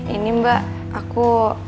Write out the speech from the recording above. ini mbak aku